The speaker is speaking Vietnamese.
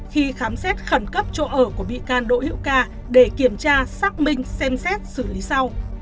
khi khám xét khẩn cấp chỗ ở của bị can đỗ hữu ca để kiểm tra xác minh xem xét xử lý sau